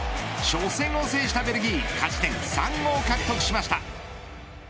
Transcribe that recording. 初戦を制したベルギー勝ち点３を獲得しました。